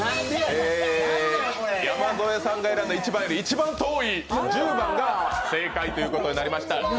えー、山添さんが選んだ１番から一番遠い１０番が正解ということになりました。